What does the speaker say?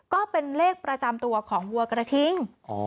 ก็เป็นเลขประจำตัวของวัวกระทิง